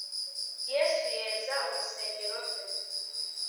yesu yeza urusengero rwe